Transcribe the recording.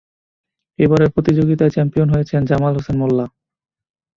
এবারের প্রতিযোগিতায় চ্যাম্পিয়ন হয়েছেন জামাল হোসেন মোল্লা।